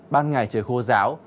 ban ngày trời khô ráo